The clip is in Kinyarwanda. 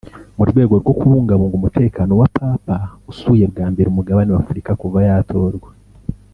mu rwego rwo kubungabunga umutekano wa Papa usuye bwa mbere umugabane w’Afurika kuva yatorwa